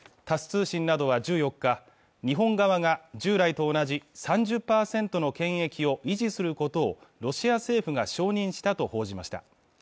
通信などは１４日日本側が従来と同じ３０％の権益を維持することをロシア政府が承認したと報じました